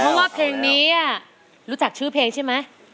เพราะว่าเพลงนี้รู้จักชื่อเพลงใช่ไหม